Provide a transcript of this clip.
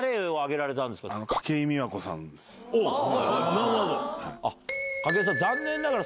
なるほど。